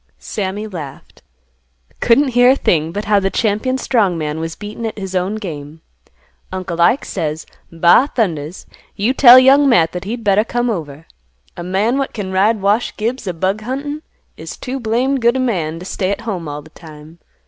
Sammy laughed, "Couldn't hear a thing but how the champion strong man was beaten at his own game. Uncle Ike says, 'Ba thundas! You tell Young Matt that he'd better come over. A man what can ride Wash Gibbs a bug huntin' is too blamed good a man t' stay at home all th' time.